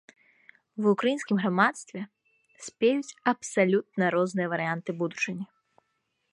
Ва ўкраінскім грамадстве спеюць абсалютна розныя варыянты будучыні.